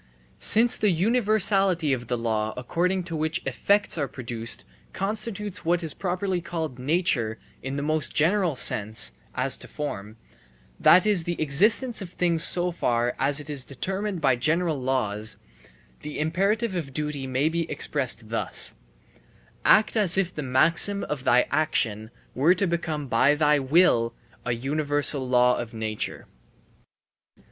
Since the universality of the law according to which effects are produced constitutes what is properly called nature in the most general sense (as to form), that is the existence of things so far as it is determined by general laws, the imperative of duty may be expressed thus: Act as if the maxim of thy action were to become by thy will a universal law of nature.